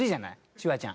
シュワちゃん。